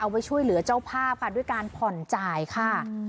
ไว้ช่วยเหลือเจ้าภาพค่ะด้วยการผ่อนจ่ายค่ะ